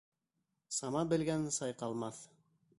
Сама белгән сайҡалмаҫ.